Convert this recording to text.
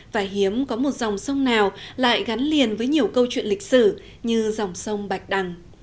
và hiếm có một dòng sông nào lại gắn liền với nhiều câu chuyện lịch sử như dòng sông bạch đằng